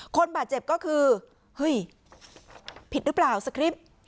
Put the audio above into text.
คนบาดเจ็บก็คือเฮ้ยผิดหรือเปล่าสคริปต์